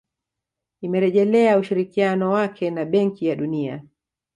Imerejelea ushirikiano wake na Benki ya Dunia